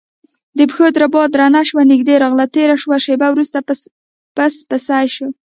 د پښو دربا درنه شوه نږدې راغله تیره شوه شېبه وروسته پسپسی شو،